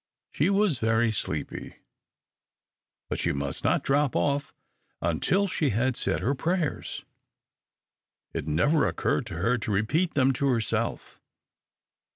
She was very sleepy, but she must not drop off until she had said her prayers. It never occurred to her to repeat them to herself.